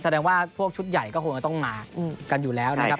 แสดงว่าพวกชุดใหญ่ก็คงจะต้องมากันอยู่แล้วนะครับ